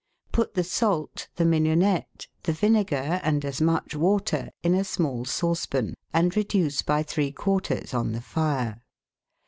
— Put the salt, the mignonette, the vinegar, and as much water in a small saucepan, and reduce by three quarters on the fire.